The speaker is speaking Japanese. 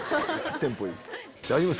テンポいい！